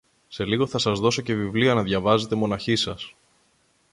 Σε λίγο θα σας δώσω και βιβλία να διαβάζετε μοναχοί σας.